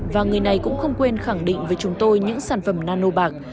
và người này cũng không quên khẳng định với chúng tôi những sản phẩm nano bạc